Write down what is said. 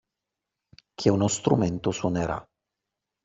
Che uno strumento suonerà